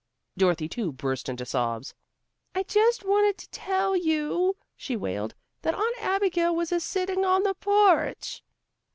Dorothy too burst into sobs. "I just wanted to tell you," she wailed, "that Aunt Abigail was a sitting on the porch."